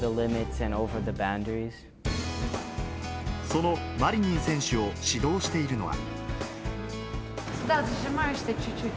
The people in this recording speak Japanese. そのマリニン選手を指導しているのは。